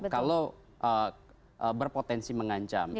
kalau berpotensi mengancam